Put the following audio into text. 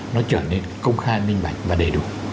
nó trở nên công khai minh bạch và đầy đủ